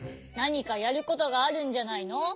なにかやることがあるんじゃないの？